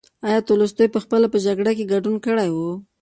ایا تولستوی پخپله په جګړو کې ګډون کړی و؟